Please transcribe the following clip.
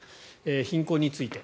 貧困について。